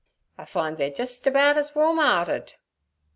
I find they're jist about as warm' earted.'